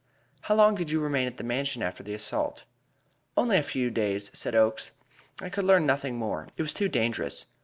"How long did you remain at the Mansion after the assault?" "Only a few days," said Oakes. "I could learn nothing alone. It was too dangerous.